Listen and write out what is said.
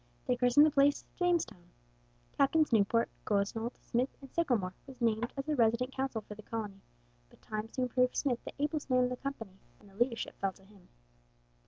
They christened the place Jamestown. Captains Newport, Gosnold, Smith, and Sickelmore were named as the resident council for the colony, but time soon proved Smith the ablest man in the company, and the leadership fell to him.